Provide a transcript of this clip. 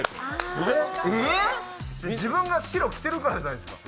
自分が白着てるからじゃないですか。